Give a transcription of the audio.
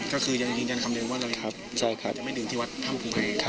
ก็คือยังยืนยันคำเดินว่าจะไม่ดื่มที่วัดถ้ำภูผา